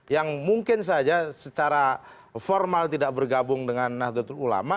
yang mungkin saja secara formal tidak bergabung dengan nahdlatul ulama